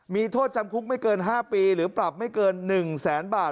มีโทษจำคุกไม่เกิน๕ปีหรือปรับไม่เกิน๑แสนบาท